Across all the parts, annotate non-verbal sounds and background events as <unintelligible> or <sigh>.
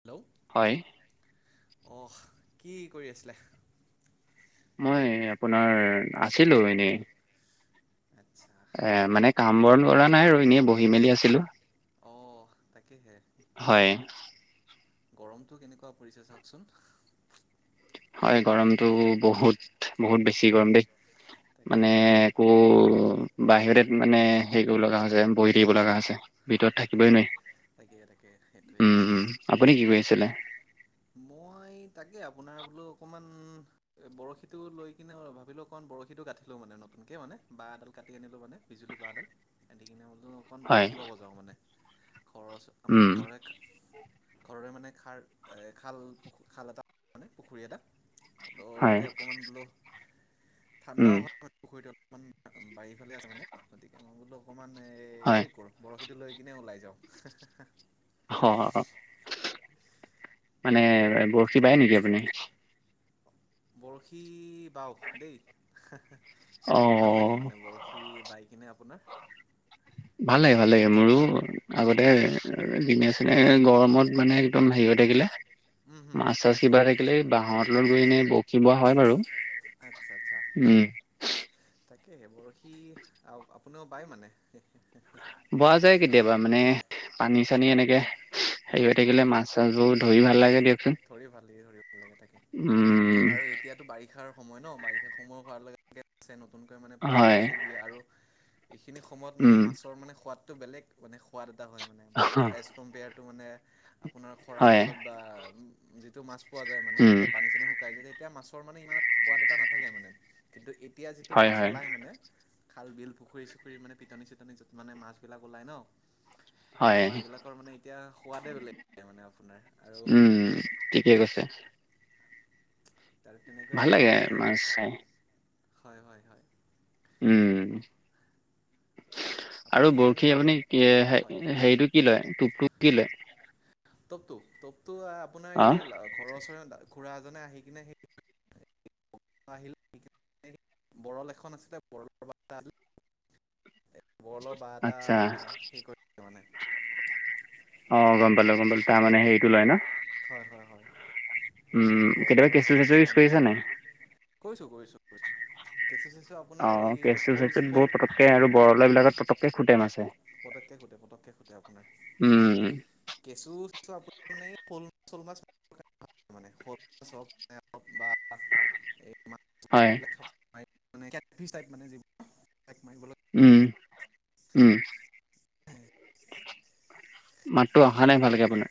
Hello! হয়। অহ, কি কৰি আছিলা। মই আপোনাৰ আছিলো এনেই। আচ্ছা এ মানে কাম-বন কৰা নাই আৰু এনে বহি মেলি আছিলো। অহ' তাকেহে। হয়। গৰমটো কেনেকুৱা পৰিছে চাওকচোন। হয় গৰমটো বহুত, বহুত বেছি গৰম দেই তাকে মানে তাকে অ' বাহিৰতে মানে হেৰি কৰিব লগা হৈছে বহি থাকিব লগা হৈছে। ভিতৰত হাঃ হাঃ হাঃ থাকিবই নোৱাৰি তাকেই তাকে সেইটোৱেটো। উম উম আপুনি কি কৰি আছিলে? মই তাকে আপোনাৰ বোলো অকণমান এই বৰশীটো লৈ কিনে ভাবিলোঁ, অকণ বৰশীটো গাঠিলওঁ মানে নতুনকে মানে বাঁহ এডাল কাটি আনিলোঁ মানে। বিজুলী বাঁহডাল কাটি কিনে বোলো অকণ হয় বৰশী বাব যাওঁ মানে, ঘৰৰ ওচৰ আমাৰ উম ঘৰৰে-ঘৰৰে মানে খাল এই খাল-পু খাল এটা পুখুৰী এটা, হয় তাতে অকমান বোলো, ঠাণ্ডা উম হয়, <inaudible> পুখুৰীটো অলপমান বাহিৰফালে আছে মানে, গতিকে মই বোলো অকণমান হয় হেৰি কৰোঁ বৰশীটো লৈ কিনে ওলাই যাওঁ। হ, মানে বৰশী বায় নেকি আপুনি? বৰশী বাও দেই, অ ভাল লাগে মানে বৰশী। শি বাই কিনে আপোনাৰ ভাল লাগে, ভাল লাগে মোৰো। আগতে দিনে, চিনে গৰমত মানে একদম হেৰি হৈ থাকিলে। উম হুম মাছ, চাছ কিবা থাকিলে এই বাঁহৰ তলত গৈ ইনে বৰশী বোৱা হয়, বাৰু। আচ্ছা, আচ্ছা। উম। তাকে, বৰশী আপ-আপুনাও বায় মানে? বোৱা যায় কেতিয়াবা মানে, পানী, চানী এনেকে হেৰি আহ হৈ থাকিলে মাছ মাছ, চাচবোৰ ধৰি ভাল লাগে দিয়ক ধৰি ভাল লাগে, ধৰি ভাল লাগে তাকে, উম আৰু এই এতিয়াতো বাৰিষাৰ সময় ন? বাৰিষাৰ সময় হোৱাৰ লগে আছে নতুনকৈ মানে পোৱালী হয় ছোৱালী দিয়ে আৰু এইখিনি সময়ত মানে উম মাছৰ মানে সোৱাদ টো বেলেগ মানে সোৱাদ এটা হয়, মানে বা-এজ কম্পেয়াৰটো মানে আপোনাৰ খৰাং হয় কালত বা যিটো মাছ পোৱা যায় মানে, উম যেতিয়া পানী, চানী শুকাই যায় এতিয়া মাছৰ মানে ইমান সোৱাদ এটা নাথাকে মানে, কিন্তু এতিয়া যিটো হয় মাছ হয় ওলাই মানে খাল, বিল, পুখুৰী, চুখুৰী মানে পিটনি, চিটনি য'ত মানে মাছবিলাক ওলাই ন' হয় এই মাছবিলাকৰ মানে এতিয়া সোৱাদে বেলেগ থাকে মানে আপোনাৰ আৰু উম, ঠিকে কৈছে। তাতে তেনেকৈয়ে ভাল লাগে আপোনাৰ মানে মাছ চাই হয়, হয়, হয়। উম। আৰু আৰু আপুনি বৰশী কেনেকুৱা আপুনি কি হয় হে-হেৰিটো কি লয়? টোপটো কি লয়? টোপটো, টোপটো আপোনাৰ অ এই ঘৰৰ ওচৰ খুৰা এজনে আহি কিনে সেই আহিল কিনে বৰল এখন আছিলে বৰলৰ বাহ <inaudible> বৰলৰ বাহ এটা আচ্ছা <unintelligible> মানে অ', গম পালোঁ, গম পালোঁ তাৰ মানে হেৰিটো লয় ন? হয়, হয়, হয়, এটাই উম কেতিয়াবা কেঁচু চেচু ইউজ বৰলৰ‌ কৰিছা নাই <inaudible> কৈছোঁ, কৈছোঁ, কৈছোঁ। অ', কেঁচু, চেচুত শ'ল বহুত পতককে আৰু বৰলে বিলাকত পটককে খুটে মাছে পটককে খুটে পটকে খুটে আপোনাৰ উম কেঁচু <unintelligible> শ'ল মাছ <inaudible> মানে শ <inaudible> মাছ হওঁক এই বা এই হয় <unintelligible> উম, উম। <inaudible> মাতটো অহা নাই ভালকে আপোনাৰ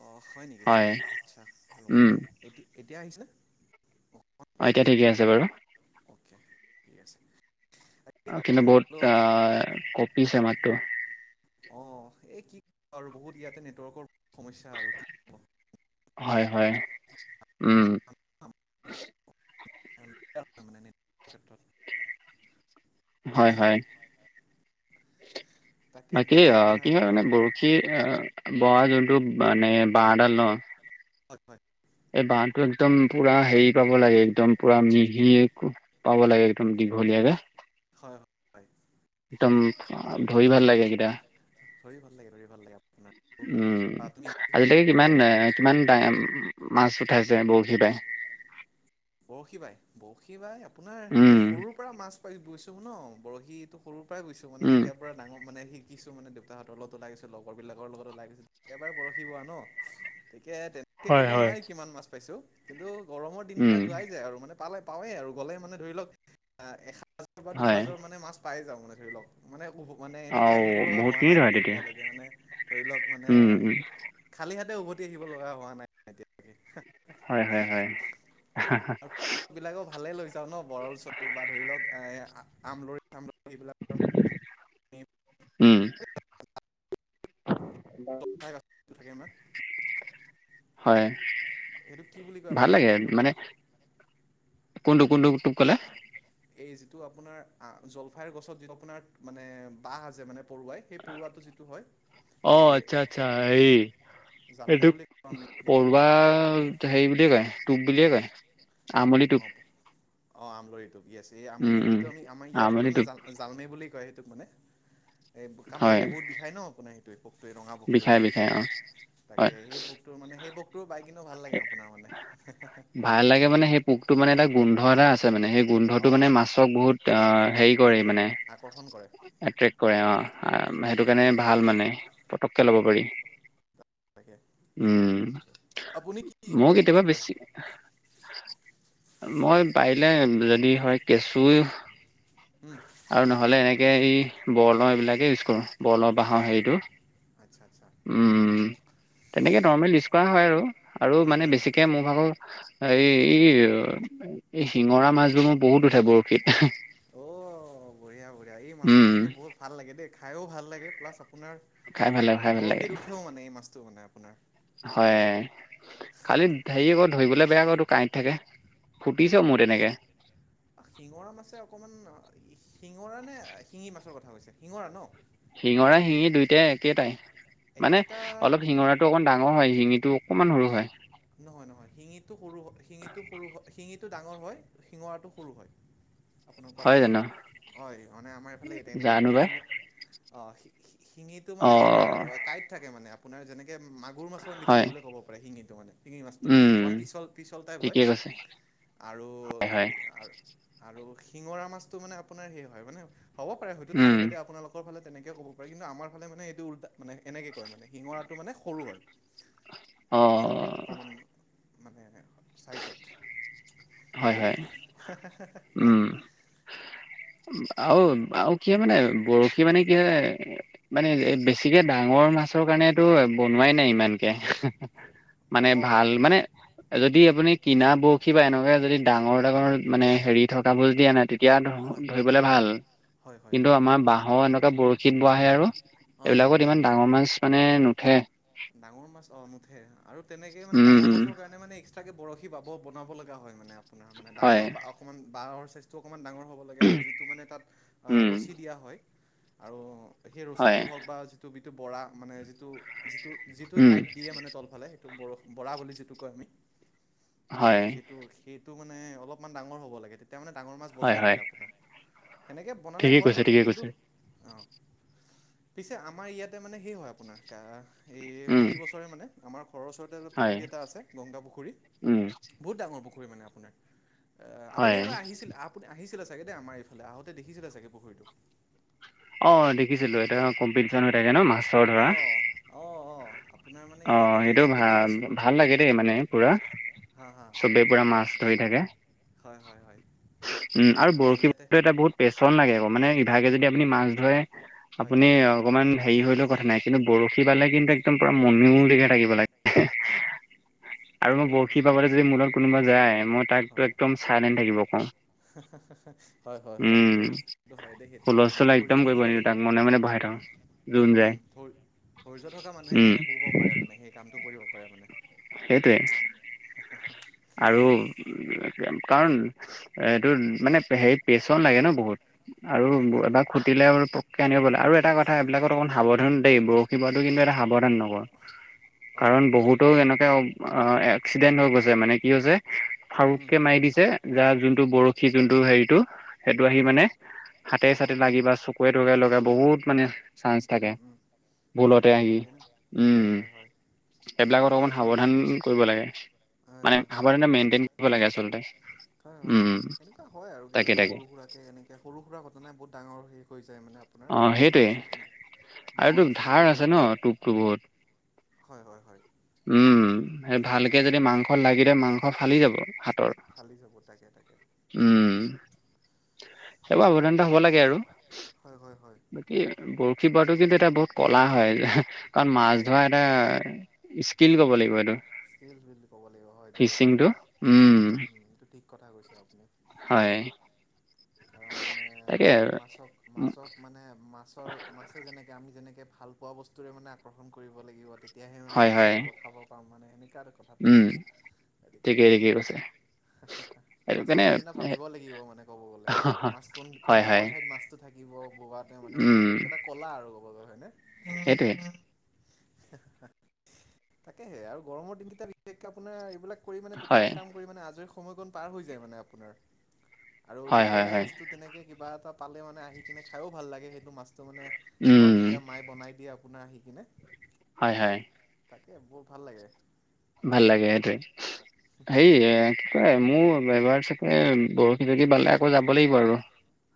অ হয় নেকি আচ্ছা ৰ'ব উম দেই এতিয়া-এতিয়া আহিছে নে? অ এতিয়া ঠিকে আছে বাৰু অকে ঠিক আছে তাকে অ কিন্তু আপোনাৰ বহুত বোলো অ কঁপিছে মাতটো অ এই কি ক আৰু বহুত ইয়াতে নেটৱৰ্কৰ সমস্যা আৰু কি ক'ব। হয হয় উম মানে নেটৱৰ্কৰ ক্ষেত্ৰত হয় হয়। তাকে বাকী বোলো আপোনাৰ কি হয় মানে গৰু সি আ আ বৱা যোনটো মানে বাঁহডাল ন হয় হয় এই বাহটো একদম পুৰা হেৰি পাব লাগে একদম পুৰা মিহি একো পাব লাগে একদম দীঘলীয়াকে হয় হয় একদম ধৰি ভাল লাগে সেইকেইটা ধৰি ভাল লাগে ধৰি ভাল লাগে উম, আপোনাৰতো তুমি কি কৰিব আজিলৈকে লাগে কিমান আৰু এ ডা কিমান মাছ উঠাইছে বৰশী বাই? বৰশী বাই বৰশী বাই আপোনাৰ এই উম, সৰুৰ পৰা মাছ পাই গৈছো ন বৰশীটো সৰু পৰাই গৈছো মানে উম। যেতিয়া পুৰা ডাঙৰ মানে শিকিছো মানে দেউতাহঁতৰ লগত ওলাই গৈছো লগৰবিলাকৰ লগত ওলাই গৈছো তেতিয়াৰ পৰাই বৰশী বোৱা ন ঠিকে তেনেকে হয়, কব হয়। নোৱাৰি কিমান মাছ পাইছো কিন্তু গৰমত উম, যোৱাই যাই আৰু মানে পালে পাওৱে আৰু গ'লে মানে ধৰি লওক আহ এসাজাৰ বা হয়। দুসাজৰ মানে মাছ পাই যাও মানে ধৰি লওক। মানে উ মানে এনেকে আৰু আহিব লগা হোৱা বহুতখিনি নাই ধৰে মানে তেতিয়া। এতিয়ালৈকে মানে ধৰি লওক মানে উম, এ উম, খালি হাতে উভতি আহিব লগা হোৱা নাই তাকে তাকে হা হয় হয় হয় হে হে বিলাকো ভালে লৈ যাও ন বৰল চল বা ধৰি লওক এ আমলৰি চামলৰি এইবিলাক আমি উম জলফাই গছটো থাকে ইমান <unintelligible> হয় সেইটো কি বুলি কয় ভাল লাগে আপোনালোকে সেইটো দপ মানে কোনটো কোনটো পিছত কলে এই যিটো আপোনাৰ আ জলফাইৰ গছত যিটো আপোনাৰ মানে বাঁহ আছে মানে পৰুৱাই সেই পৰুৱাটো যি টো হয় অ এই আচ্ছা আচ্ছা এই জালনে এইটো বুলি কওঁ আমি ইয়াতে পৰুৱা সেই বুলি কয় টোপ বুলিয়ে কয়। আমলি টোপ। অ অ আমলই টোপ। ই আছে এই আমি উম, উম। সেইটো আমি আমাৰ ইয়াৰ ফালে আমনি মানে টোপ জাল জালমে বুলি কয় সেইটোক মানে। এই হয়, কামুৰিলে বহুত বিষায় ন আপোনাৰ সেইটোৱে পোকটোৱে ৰঙা বিষাই বিষাই অ' পোকটোৱে তাকে হয়। সেই পোক কটো মানে সেই পোকটো বাই কিনে ভাল লাগে আপোনাৰ মানে হে হে হে ভাল লাগে মানে সেই পোকটো মানে এটা গোন্ধ এটা আছে মানে সেই গোন্ধটো অঁ মানে মাছক বহুত অ হেৰি কৰে এট্ৰেক্ট মানে আকৰ্ষণ কৰে এট্ৰেক্ট কৰে অ হয় সেইটো কাৰণে ভাল মানে পতককৈ ল'ব পাৰি। তাকে আপুনি কি মো টপ ইউজ কেতিয়াবা কৰে বেছি এ মই পাৰিলে যদি হয় কেঁচুই উমহ। আৰু নহ'লে এনেকে এৰি বৰলৰ এইবিলাকে ইউজ কৰো বৰলৰ বাঁহৰ অঁ হেৰিটো। আচ্ছা, আচ্ছা। উম তেনেকে নৰ্মেল ইউজ কৰা হয় আৰু, আৰু হয় মানে হয় হয় বেছিকে মোৰ ভাগৰ হাই ই, অ, এই শিঙৰা মাছবোৰ মোৰ বহুত উঠে বৰশীত। অ', বঢ়িয়া বঢ়িয়া এই মাছটো উম কিন্তু বহুত ভাল লাগে দেই, খায়ো ভাল লাগে প্লাছ আপোনাৰ খাই ভাল লাগে আহ, খাই ভাল বৰশীত উঠেও মানে এই মাছটো মানে আপোনাৰ। হয়ে, খালি ধেই এগত ধৰিবলে বেয়া আকৌ ইটো কাঁইত থাকে। ফুটিছে মোৰ তেনেকে। শিঙৰা মাছে অকণমান শিঙৰা নে শিঙি মাছৰ কথা কৈছে? শিঙৰা ন'? শিঙৰা শিঙি দুইটাই একেটাই, মানে একেটা অলপ শিঙৰা ত' অকমান ডাঙৰ হয় শিঙিটো অকনমান সৰু হয়। নহয় নহয় শিঙিটো সৰু হ, শিঙিটো সৰু হ, শিঙি টো ডাঙৰ হয়, শিঙৰাটো সৰু হয়। আপোনাৰ কোৱাত হয় ভুল হ'ল। জানো হয় মানে আমাৰ এইফালে এতে এনেকে জানো কয়। পাই শিঙ অ', শি-শি-শিঙিটো অ মানে আপোনাৰ অ, কাইট থাকে মানে আপোনাৰ যেনেকে মাক গুৰ মাছৰ নিখিয়া হয় বুলি ক'ব পাৰে শিঙিটো মানে। টিঙি মাছটোক উম অকণমান পিছল পিছল টাইপ হয়। ঠিকে কৈছে আৰু হয় হয় ইয়া আৰ আৰু শিঙৰা মাছটো মানে আপোনাৰ সে হয় মানে হ'ব পাৰে হয়টো ঠাই উম ভেদে আপোনালোক <unintelligible> ফালে তেনেকে ক'ব পাৰি কিন্তু আমাৰ ফালে মানে এইটো উল্টা মানে এনেকে কয় মানে শিঙৰাটো মানে সৰু হয়। অ', অ'। উম, মানে চাইচত। হয়, হয়। উম <inaudible> আৰু আৰু কিয়ে মানে বৰশী মানে কি <inaudible> মানে বেছিকে ডাঙৰ মাছৰ কাৰণেটো বনোৱাই নাই ইমানকে। মানে অঁ ভাল মানে যদি আপুনি কিনা বৰশী বা এনেকুৱা যদি ডাঙৰ ডাঙৰ মানে হেৰি থকা বোৰ দিয়া না তেতিয়া হয় ধ-ধৰিবলে ভাল। হয় হয় কিন্তু আমাৰ বাঁহৰ এনেকুৱা বৰশীত বোৱাহে আৰু, অ' অ' এইবিলাকত ইমান ডাঙৰ মাছ মানে নুঠে। ডাঙৰ মাছ অ', মুঠে আৰু তেনেকে মানে উম ডাঙৰ উম মাছৰ কাৰণে মানে এস্ক ট্ৰাকে বৰশী বাব বনাব লগা হয় মানে আপোনাৰ, মানে হয় ডাঙৰ বা অকমান বাৱৰ চাইষ্টো অকণমান ডাঙৰ হ'ব লগীয়া আৰু যিটো মানে তাত আ, উম ৰছী দিয়া হয় আৰু সেই হয় ৰচিটো হওঁক বা টো বিটো বৰা মানে যিটো, যিটো, যিটো উম কাঁইট দিয়ে মানে তলফালে সে টো বৰহ বৰা বুলি যিটো কয় আমি। উম, হয় সেইটো সেইটো মানে অলপমান ডাঙৰ হ'ব লাগে তেত তিয়া মানে ডাঙৰ মাছ হয় বজে হয় মানে আপোনাৰ, সেনেকে বনালে ঠিকেই হয় কৈছে বাৰু ঠিকেই কিন্তু কৈছে অ', পিছে আমাৰ ইয়াতে মানে সেই হয় আপোনাৰ কাৰাহ এয়ে উম প্ৰতিবছৰে মানে আমাৰ ঘৰৰ ওচৰতে হয় পুখুৰী এটা আছে গংগা পুখুৰী। উম। বহুত ডাঙৰ পুখুৰী মানে আপোনাৰ। আ, আপুনি হয় এবাৰ আহিছিল আপ পুনি আহিছিলে চাগে দেই আমাৰ এইফালে আহোতে দেখিছিলেগে চাগে পুখুৰীটো। অ', দেখিছিলোঁ এটা কম্পিটিশন হৈ থাকে ন' মাছৰ ধৰা। অ', অ'। অঁ সেইটো ভা ভাল লাগে দেই মানে পুৰা। হা হা চবেই পুৰা মাছ ধৰি থাকে। হয় হয় হয় উম আৰু মানে ইয়াতে বৰশীটো এটা বহুত পেছন লাগে আকৌ মানে ইভাগে যদি আপুনি মাছ ধৰে হয় আপুনি অকণমান হেৰি হলেও কথা নাই, কিন্তু বৰশী বালে কিন্তু একদম। মনিমৰিকে থাকিব লাগে। আৰু মই তাকে তাকে বৰশী বাবলৈ যদি মোৰ লগত কোনোবা যায় মই হয় তাকটো একদম চাইলেণ্ট থাকিব কওঁ। হয় হয় হয় সেইটো উম সঁচা হয় দেই, সেইটো হুলস্থুল মানে ধৈৰ্য্য একদম কৰিব থাকিব নিদিওঁ লাগিব। তাক মনে মনে বহাই থওঁ। যোন যায় উম ধৈ ধৈৰ্য্য থকা মানুহে উম মানে এইবোৰ কৰিব পাৰে মানে সেই কামটো কৰিব পাৰে মানে। সেইটোৱে। <inaudible> আৰু কাৰণ এইটো মানে হেৰি পেচন লাগে ন বহুত। আৰু হয় হয় এটা হয় খু তিলে আৰু পকে আনিব পাৰিলে, আৰু এটা কথা এইবিলাকত অকণ সাৱধান দেই বৰশী বোৱাটো কিন্তু এটা সাৱধান নহ। অঁ কাৰণ বহুতো এনেকুৱা আ এক্সিডেণ্টত হৈ গৈছে মানে কি হৈছে, উম ফাৰোককে মাৰি দিছে যাৰ যোনটো বৰশী যোনটো ইটো সেইটো আহি হয় মানে হাতে চকু চাতে তকু লাগি পৰি বা চকুৰে তকুৰে লগা বহুত মানে চাইন্স থাকে। উম, উম, হয় ভুলতে হয় আহি হয় সেনে হয় উম, হয় হয় এনেকুৱা সেইবিলাকত হয় অকমান আপোনাৰ সাৱধান যে- কৰিব লাগে, হয় মানে হয় হয় সাৱধান মেইনটেইন কৰিব লাগে আচলতে। হয় হয় উম হয়, এনেকুৱা হয় আৰু তাকে কেতিয়াবা তাকে সৰু সুৰাকে এনেকে সৰু সুৰা ঘটনাই বহুত ডাঙৰ সেই হৈ যায় মানে আপোনাৰ অ কেতিয়াবা সেইটোৱে মাছ চাছ আৰু ডাঙৰ তোৰ মাছে ধাৰ খুটিলে। আছে ন টোপটো বহুত হয় হয় হয়। উম সেই ভালকে যদি মাংস লাগি ধৰে মাংস ফালি যাব হাতৰ। ফালি যাব তাকে তাকে উম, সেইবোৰ সাৱধানতা হব লাগে আৰু। হয় হয় হয়। বাকী বৰশী বোৱাটো কিন্তু এটা বহুত ক'লা হয়। কাৰণ মাছ কলা ধৰা হয় এটা স্কিল ক'ব লাগিব এইটো। স্কিল বুলি ক'ব লাগিব হয় দেই ফিচিংটো কথাটো। উম হুম হুম এইটো ঠিক কথা কৈছে আপুনি। হয় কাৰণ মানে তাকে মাছক মাছক মানে মাছৰ মাছে যেনেকে আমি যেনেকে ভাল পোৱা বস্তুৰে মানে আকৰ্ষণ কৰিব লাগিব তে তিয়াহে মানে হয় মাছ হয় আহিব খাব পাম মানে সেনেকুৱা এ কথাটো উম আৰু। গতিকে ঠিকেই ঠিকেই কৈছে। সেইটো মাছৰ কাৰণে নিচিনা ভাবিব লাগিব মানে ক'ব গলে। মাছ কোন হয় হয় কোনোখৰ ঠাইত মাছ টো থাকিব বগাতে মানে উম গোটেই এইটো এটা কলা আৰু গব হয় নে। সেইটোৱে। তাকেহে আৰু গৰমৰ দিনকেইটা বিশেষকে আপোনাৰ এইবিলাক কৰি মানে তোক হয় তাক কাম কৰি মানে আজৰি সময়কণ পাৰ হৈ যায় মানে আপোনাৰ। আৰু হয় হয় দুপৰীয়া হয় সাজটোত তেনেকে কিবা এটা পালে মানে আহি পিনে খাইও ভাল লাগে সেইটো মাছটো মানে ঘৰত উম যেতিয়া মাই বনাই দিয়ে আপোনাৰ আহি কিনে। হয় হয়। তাকে, বৰ ভাল লাগে। ভাল লাগে সেইটোৱেই। হেৰি এ এই মোৰ এইবাৰ চাগে বৰশী যদি বালে, আকৌ যাব লাগিব আৰু।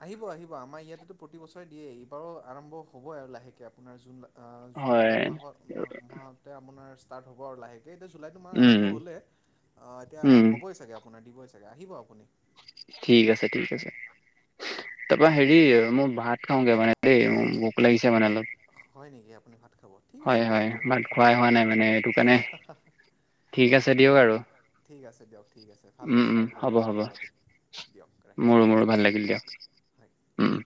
আহিব আহিব, আমাৰ ইয়াতেতো প্ৰতি বছৰে দিয়েই। এইবাৰো আৰম্ভ হ'বই আৰু লাহেকে আপোনাৰ জুন লা হয় জুলাই মাহত, মাহ মাহতে আপোনাৰ ষ্টাৰ্ট হ'ব আৰু লাহে সেইটো এতিয়া জুলাইটো মাহ উম আৰম্ভ হ'লেই, এতিয়া উম হ'বই চাগে আপোনাৰ দিবই চাগে, আহিব আপুনি। ঠিক আছে, ঠিক আছে। তাপা হেৰি, মোৰ ভাত খাওগে মানে দেই, মোৰ ভোক লাগিছে মানে অলপ। হয় নেকি? আপুনি ভাত খাব। ঠিক আছে হয় দিয়ক হয়, হ'ব ভাত একো খোৱাই হোৱা নাই মানে সেইটো কাৰণে। ঠিক আছে দিয়ক আৰু। ঠিক আছে দিয়ক ঠিক আছে, ভাল উম লাগিলে উম আপোনাৰ হ'ব লগত হ'ব কথা পাতি। দিয়ক ৰাখিছোঁ মোৰো মোৰো ভাল লাগিল দিয়ক, হয়। উম।